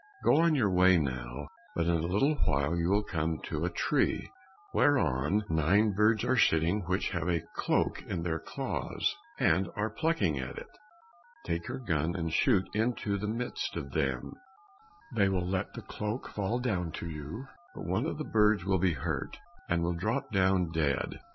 Go on your way now, but in a little while you will come to a tree, whereon nine birds are sitting which have a cloak in their claws, and are plucking at it; take your gun and shoot into the midst of them, they will let the cloak fall down to you, but one of the birds will be hurt, and will drop down dead.